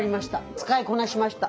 使いこなしました。